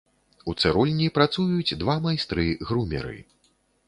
У цырульні працуюць два майстры-грумеры.